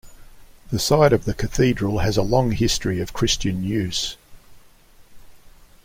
The site of the cathedral has a long history of Christian use.